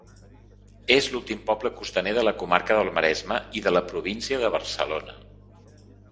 És l'últim poble costaner de la comarca del Maresme i de la província de Barcelona.